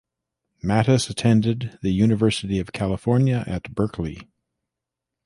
Mattis attended the University of California at Berkeley.